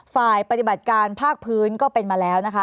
ฝ่ายปฏิบัติการภาคพื้นก็เป็นมาแล้วนะคะ